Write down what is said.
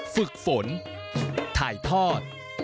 ฝึกฝนถ่ายทอด